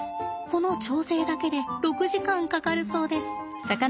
この調整だけで６時間かかるそうです。